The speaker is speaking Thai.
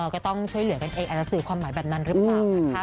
ก็ต้องช่วยเหลือกันเองอาจจะสื่อความหมายแบบนั้นหรือเปล่านะคะ